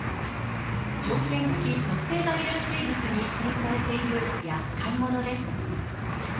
条件付き特定外来生物に指定されているやっかい者です。